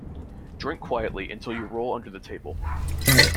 Drink quietly until you roll under the table.